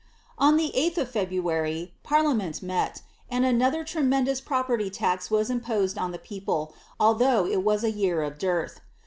On the Bih of February, parliament met, and another tremendous pro perty lax was imposed on the people, although it was a year of dearth.